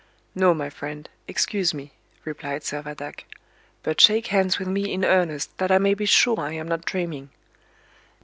"No, my friend, excuse me," replied Servadac; "but shake hands with me in earnest, that I may be sure I am not dreaming."